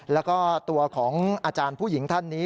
แล้วก็ตัวของอาจารย์ผู้หญิงท่านนี้